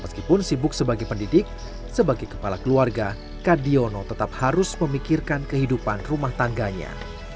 meskipun sibuk sebagai pendidik sebagai kepala keluarga kak diono tetap harus memikirkan kehidupan rumah tangganya